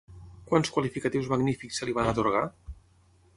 Quants qualificatius magnífics se li van atorgar?